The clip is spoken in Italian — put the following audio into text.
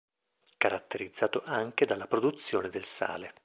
Caratterizzato anche dalla produzione del sale.